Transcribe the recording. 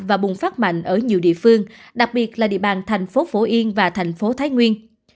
và bùng phát mạnh ở nhiều địa phương đặc biệt là địa bàn thành phố phổ yên và thành phố thái nguyên